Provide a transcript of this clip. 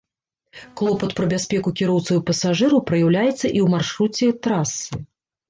Клопат пра бяспеку кіроўцаў і пасажыраў праяўляецца і ў маршруце трасы.